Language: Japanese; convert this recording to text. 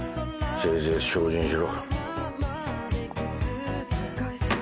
せいぜい精進しろ。